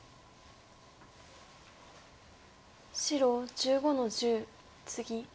白１５の十ツギ。